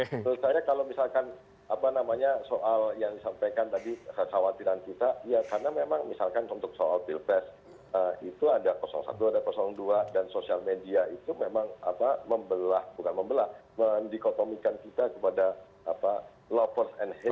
sebenarnya kalau misalkan soal yang disampaikan tadi khawatiran kita ya karena memang misalkan untuk soal pilpres itu ada satu dua dan sosial media itu memang membelah bukan membelah mendikotomikan kita kepada lopers and haters